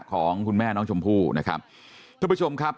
ของคุณแม่น้องชมพู่นะครับทุกผู้ชมครับ